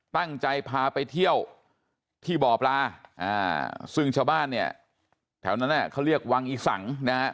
ตั้งใจพาไปเที่ยวที่บ่อปลาซึ่งชาวบ้านเนี่ยแถวนั้นเขาเรียกวังอีสังนะฮะ